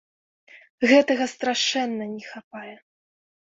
Гэтага страшэнна не хапае.